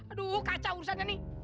aduh kacau urusannya nih